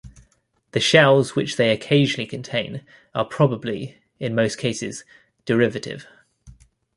The shells which they occasionally contain are probably, in most cases, derivative.